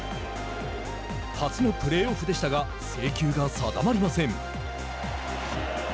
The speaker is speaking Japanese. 初のプレーオフでしたが制球が定まりません。